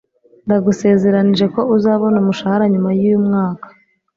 Ndagusezeranije ko uzabona umushahara nyuma yumwaka